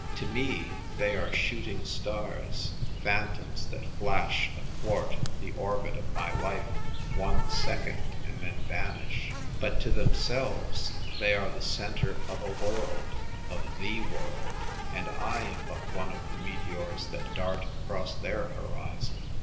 To me, they are shooting stars, phantoms that flash athwart the orbit of my life one second, and then vanish. But to themselves they are the centre of a world — of the world ; and I am but one of the meteors that dart across their horizon.